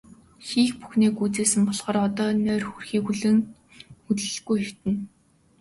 Хийх бүхнээ гүйцээсэн болохоор одоо нойр хүрэхийг хүлээн хөдлөлгүй хэвтэнэ.